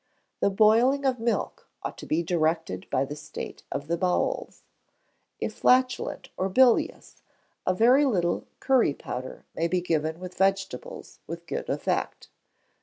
The boiling of milk ought to be directed by the state of the bowels; if flatulent or bilious, a very little currie powder may be given with vegetables with good effect.